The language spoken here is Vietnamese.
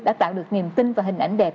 đã tạo được niềm tin và hình ảnh đẹp